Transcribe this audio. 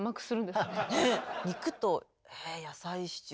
「肉と野菜シチュー」